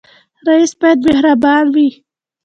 رئیس باید مهربان وي